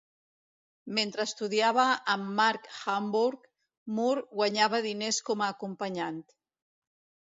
Mentre estudiava amb Mark Hambourg, Moore guanyava diners com a acompanyant.